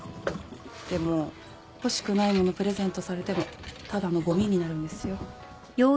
でも欲しくない物プレゼントされてもただのゴミになるんですよ。